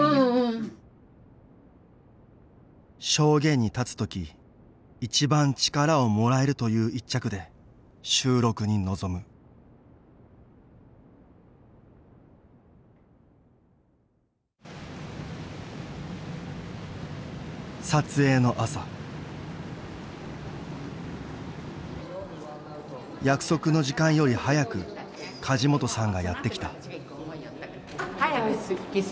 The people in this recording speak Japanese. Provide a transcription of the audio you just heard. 証言に立つ時「一番力をもらえる」という一着で収録に臨む撮影の朝約束の時間より早く梶本さんがやって来たごめんなさい。